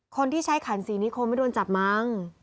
คนที่ใช้ขันสีนี้คงไม่โดนจับมั้ง